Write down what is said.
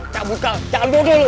cabutlah cabut dulu